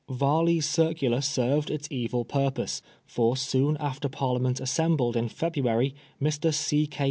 Varley's circular served its evil purpose, for soon after Parliament assembled in February, Mr. C. K.